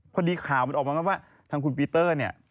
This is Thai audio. พอดีข่าวมันออกมาว่าทางคุณปีเตอร์เนี่ย